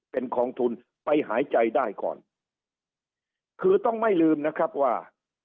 เป็นกองทุนไปหายใจได้ก่อนคือต้องไม่ลืมนะครับว่า